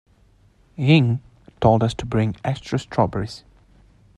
Ying told us to bring extra strawberries.